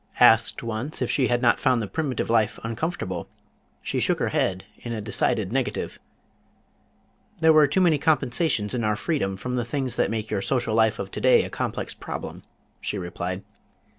Asked once if she had not found the primitive life uncomfortable, she shook her head in a decided negative. [Illustration: Eve's Scrap Book.] "There were too many compensations in our freedom from the things that make your social life of to day a complex problem," she replied.